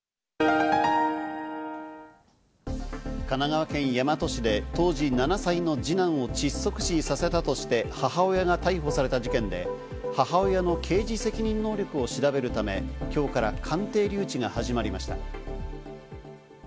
神奈川県大和市で当時７歳の二男を窒息死させたとして母親が逮捕された事件で、母親の刑事責任能力を調べるため今日から鑑定留置が始まりました。